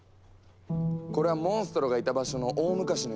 これはモンストロがいた場所の大昔の様子。